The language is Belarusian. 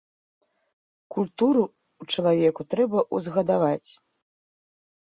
Культуру ў чалавеку трэба ўзгадаваць.